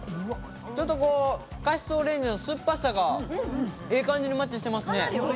ちょっとカシスオレンジの酸っぱさがいい感じにマッチしてますね。